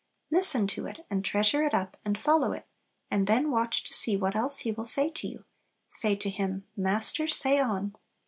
Listen to it, and treasure it up, and follow it; and then watch to see what else He will say to you. Say to Him, "Master, say on!"